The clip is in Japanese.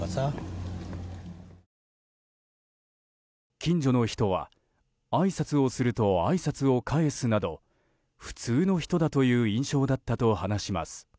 近所の人は、あいさつをするとあいさつを返すなど普通の人だという印象だったと話します。